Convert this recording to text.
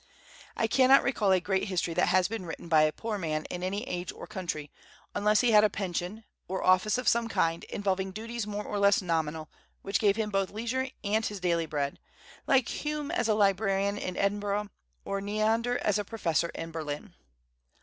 I cannot recall a great history that has been written by a poor man in any age or country, unless he had a pension, or office of some kind, involving duties more or less nominal, which gave him both leisure and his daily bread, like Hume as a librarian in Edinburgh, or Neander as a professor in Berlin.